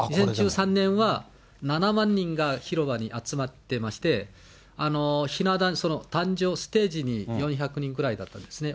２０１３年は、７万人が広場に集まってまして、ひな壇、壇上、ステージに４００人くらいだったですね。